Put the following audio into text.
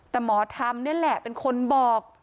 แต่หมอธรรมนี่แหละเป็นคนบอก